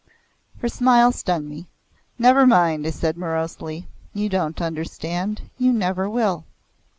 Her smile stung me. "Never mind," I said morosely. "You don't understand. You never will."